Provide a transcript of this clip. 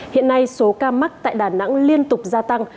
hiện nay số ca mắc tại đà nẵng liên tục gia tăng